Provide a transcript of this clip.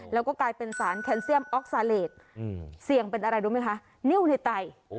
แล้วก็กลายเป็นสารแคนเซียมออกซาเลสเสี่ยงเป็นอะไรรู้ไหมคะนิ้วในไต